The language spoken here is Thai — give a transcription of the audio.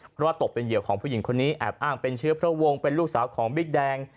เพราะว่าตกเป็นเหยื่อของผู้หญิงคนนี้แอบอ้างเป็นเชื้อพระวงศ์เป็นลูกสาวของบิ๊กแดง